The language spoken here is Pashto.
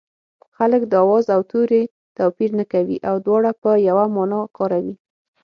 خلک د آواز او توري توپیر نه کوي او دواړه په یوه مانا کاروي